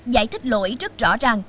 giải thích lỗi rất rõ ràng